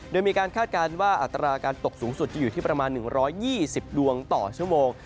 โดยมีการคาดการณ์ว่าอัตราการตกสูงสุดจะอยู่ที่ประมาณ๑๒๐ดวงต่อชั่วโมง